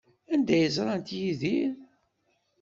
Anda ay ẓrant Yidir?